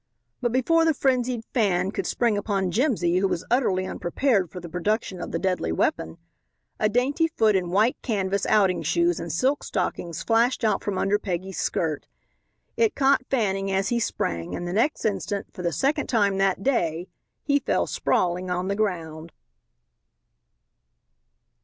But before the frenzied Fan could spring upon Jimsy, who was utterly unprepared for the production of the deadly weapon, a dainty foot in white canvas outing shoes and silk stockings flashed out from under Peggy's skirt. It caught Fanning as he sprang, and the next instant, for the second time that day, he fell sprawling on the ground.